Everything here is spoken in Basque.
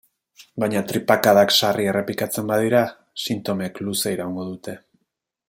Baina tripakadak sarri errepikatzen badira, sintomek luze iraungo dute.